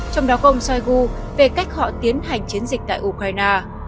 trong đó có ông shoigu về cách họ tiến hành chiến dịch tại ukraine